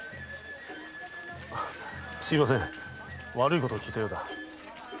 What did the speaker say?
すみません悪いことを聞いたようだ。